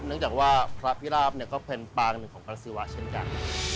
เนื่องจากว่าพระพิราบก็เป็นปางหนึ่งของพระศิวะเช่นกัน